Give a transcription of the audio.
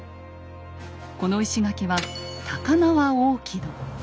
この石垣は高輪大木戸。